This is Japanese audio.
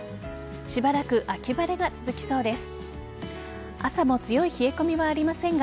しばらく秋晴れが続きそうです。